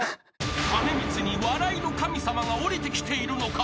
［兼光に笑いの神様が降りてきているのか］